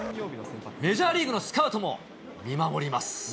メジャーリーグのスカウトも見守ります。